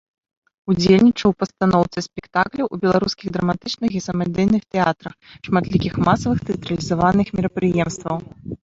Удзельнічаў у пастаноўцы спектакляў у беларускіх драматычных і самадзейных тэатрах, шматлікіх масавых тэатралізаваных мерапрыемстваў.